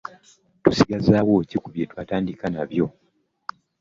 Tusigazzaawo ki ku bye twatandika nabyo?